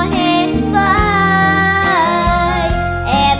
ขอบคุณครับ